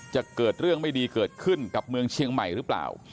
จะเกิดเรื่องไม่ดีเกิดขึ้นกับเมืองเชียงใหม่หรือเปล่า